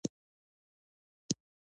پښتو ژبه لرغونۍ او بډایه ژبه ده.